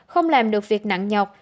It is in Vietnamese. không làm được việc nặng nhọc